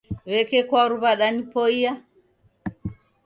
W'eke kwaru wadanipoia.